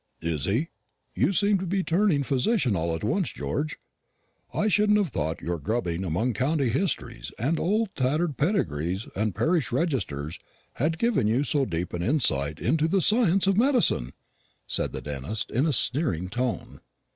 "Is he? You seem to be turning physician all at once, George. I shouldn't have thought your grubbing among county histories, and tattered old pedigrees, and parish registers had given you so deep an insight into the science of medicine!" said the dentist in a sneering tone.